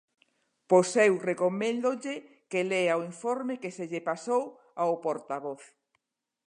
Pois eu recoméndolle que lea o informe que se lle pasou ao portavoz.